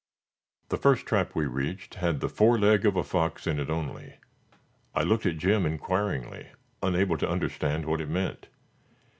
The first trap we reached had the fore leg of a fox in it only. I looked at Jim inquiringly, unable to understand what it meant.